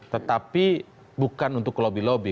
tetapi bukan untuk lobby lobby